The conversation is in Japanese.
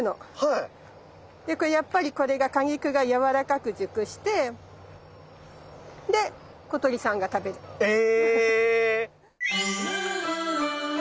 でこれやっぱりこれが果肉がやわらかく熟してで小鳥さんが食べるの。え！